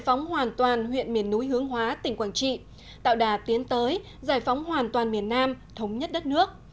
phóng hoàn toàn huyện miền núi hướng hóa tỉnh quảng trị tạo đà tiến tới giải phóng hoàn toàn miền nam thống nhất đất nước